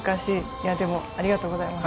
いやでもありがとうございます。